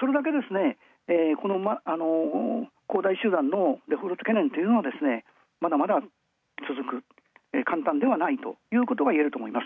それだけ、このこうだい集団のデフォルト懸念というのはまだまだ続く、簡単ではないということがいえると思います。